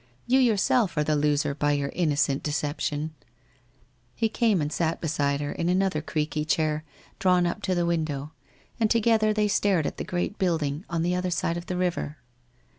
You yourself are the loser by your innocent deception/ He came and sat beside her, in another creaky chair, drawn up to the window and together they stared at the great building on the other side of the river.